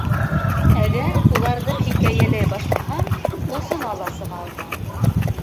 Әгәр уларҙы хикәйәләй башлаһам, осона ла сыға алмам.